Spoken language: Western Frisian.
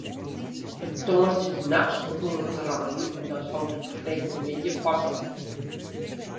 De tongersdeitenachts begûn it te reinen en dat hold op freedtemiddei pas op.